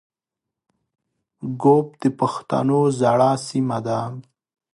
ږوب د پښتنو زړه سیمه ده